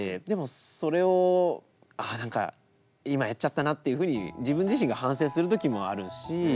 でもそれをあなんか今やっちゃったなっていうふうに自分自身が反省する時もあるし。